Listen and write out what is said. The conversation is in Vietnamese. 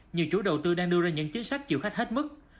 nhiều chủ đầu tư đang đưa ra những chính sách chịu khách hết mức